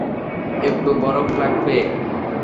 একটু বরফ লাগবে?